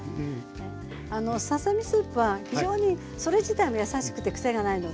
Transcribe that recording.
ささ身スープは非常にそれ自体も優しくてくせがないのでね